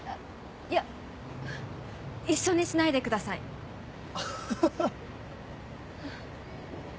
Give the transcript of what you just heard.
いや一緒にしないでください。ハハハ。